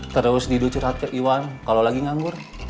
terus tidur curhat ke iwan kalau lagi nganggur